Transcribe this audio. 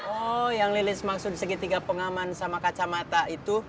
oh yang lilis maksud segitiga pengaman sama kacamata itu